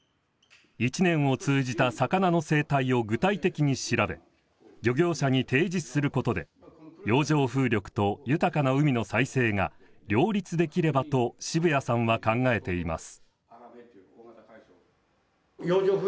一年を通じた魚の生態を具体的に調べ漁業者に提示することで洋上風力と豊かな海の再生が両立できればと渋谷さんは考えています。